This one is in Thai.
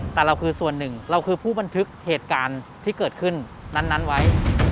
แต่เราคือส่วนหนึ่งเราคือผู้บันทึกเหตุการณ์ที่เกิดขึ้นนั้นไว้